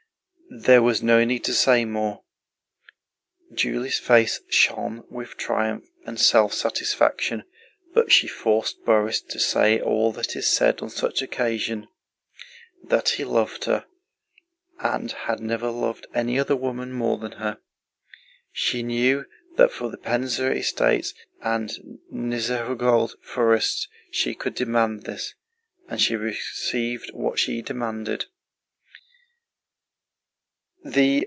There was no need to say more: Julie's face shone with triumph and self satisfaction; but she forced Borís to say all that is said on such occasions—that he loved her and had never loved any other woman more than her. She knew that for the Pénza estates and Nizhegórod forests she could demand this, and she received what she demanded.